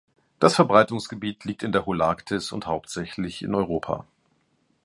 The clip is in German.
Das Verbreitungsgebiet liegt in der Holarktis und hauptsächlich in Europa.